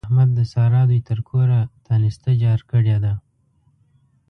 احمد د سارا دوی تر کوره تانسته جار کړې ده.